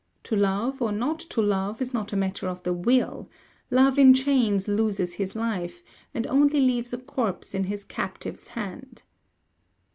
To love, or not to love, is not a matter of the will; Love in chains loses his life, and only leaves a corpse in his captive's hand.